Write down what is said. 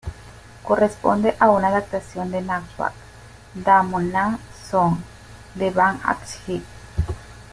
Corresponde a una adaptación del manhwa "Damo Nam Soon" de Bang Hak Gi.